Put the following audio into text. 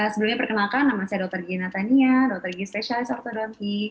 sebelumnya perkenalkan nama saya dr gigi natania dr gigi spesialis ortodonti